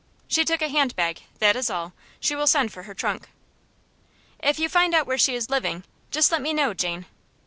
"She took a handbag that is all. She will send for her trunk." "If you find out where she is living, just let me know, Jane."